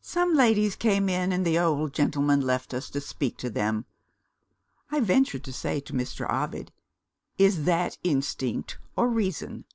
Some ladies came in, and the old gentleman left us to speak to them. I ventured to say to Mr. Ovid, 'Is that instinct or reason?